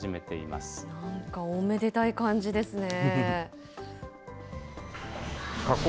なんかおめでたい感じですね。